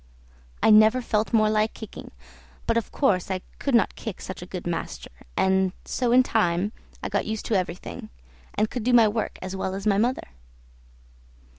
I never felt more like kicking, but of course I could not kick such a good master, and so in time I got used to everything, and could do my work as well as my mother.